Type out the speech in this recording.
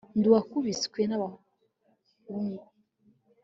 ndi uwakubiswe n'abahungu